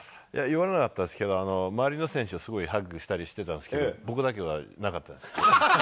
言われなかったですけど、周りの選手、すごいハグしたりしてたんですけど、僕だけはなかったです。